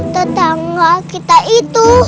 tetangga kita itu